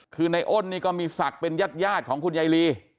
คือในอ้นนี่ก็มีศักดิ์เป็นญาติของคุณยายลี